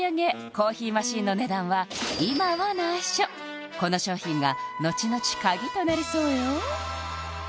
コーヒーマシンの値段は今は内緒この商品がのちのち鍵となりそうよ